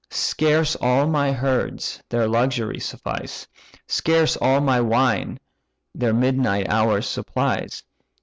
Scarce all my herds their luxury suffice; Scarce all my wine their midnight hours supplies.